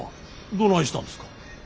どないしたんですか？